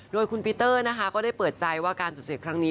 โดยคุณปีเตอร์นะคะก็ได้เปิดใจว่าการสูญเสียครั้งนี้